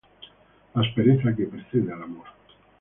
La aspereza que precede al amor.